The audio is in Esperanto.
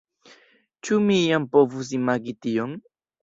Ĉu mi iam povus imagi tion?